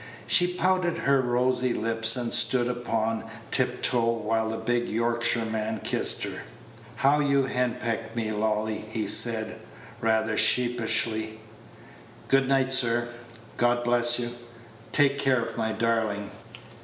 She pouted her rosy lips, and stood upon tiptoe, while the big Yorkshireman kissed her. "How you do henpeck me, Lolly!" he said, rather sheepishly. "Good night, sir. God bless you! Take care of my darling."